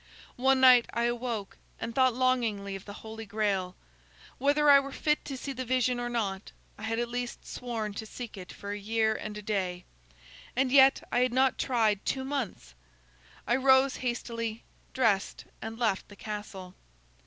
"One night I awoke, and thought longingly of the Holy Grail. Whether I were fit to see the vision or not, I had at least sworn to seek it for a year and a day. And yet, I had not tried two months! I rose hastily, dressed, and left the castle.